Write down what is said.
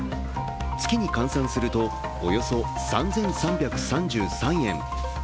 月に換算するとおよそ３３３３円。